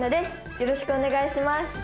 よろしくお願いします。